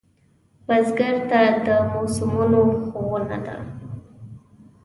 بزګر ته د موسمونو ښوونه ده